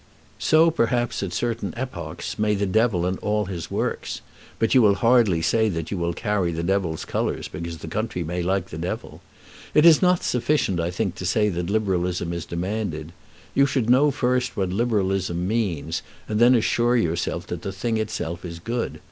"So, perhaps, at certain epochs, may the Devil and all his works; but you will hardly say that you will carry the Devil's colours because the country may like the Devil. It is not sufficient, I think, to say that Liberalism is demanded. You should first know what Liberalism means, and then assure yourself that the thing itself is good.